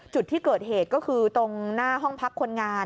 จุดที่เกิดเหตุก็คือตรงหน้าห้องพักคนงาน